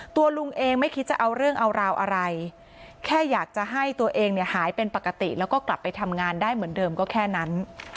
ตัวลุงเองไม่คิดจะเอาเรื่องเอาราวอะไรแค่อยากจะให้ตัวเองเนี่ยหายเป็นปกติแล้วก็กลับไปทำงานได้เหมือนเดิมก็แค่นั้น